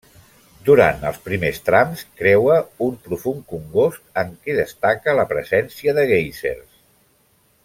Durant els primers trams creua un profund congost, en què destaca la presència de guèisers.